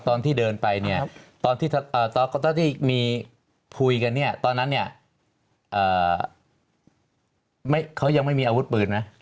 ตอนที่เดินไปเนี่ยตอนที่มีคุยกันเนี่ยตอนนั้นเนี่ยเขายังไม่มีอาวุธปืนนะ